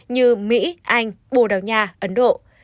như mỹ anh bồ đào nha ấn độ